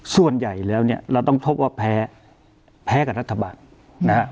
ส่วนใหญ่แล้วเนี่ยเราต้องพบว่าแพ้แพ้กับรัฐบาลนะฮะ